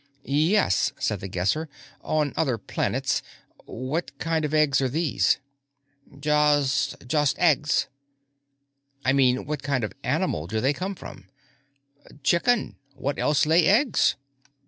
"Yes," said The Guesser. "On other planets. What kind of eggs are these?" "Just ... just eggs." "I mean, what kind of animal do they come from?" "Chicken. What else lay eggs?"